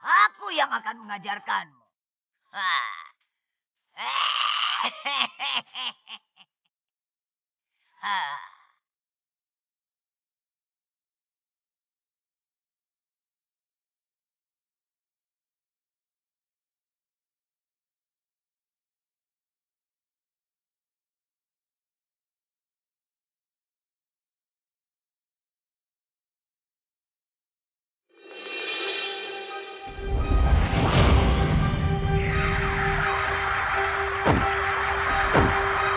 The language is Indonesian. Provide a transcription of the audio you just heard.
aku memang sangat sakit hati dan kecewa pada jayadi